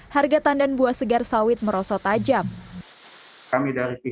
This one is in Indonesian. harga tandan buah segar sawit merosot tajam